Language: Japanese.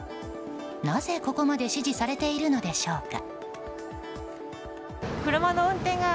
なぜ、ここまで支持されているのでしょうか。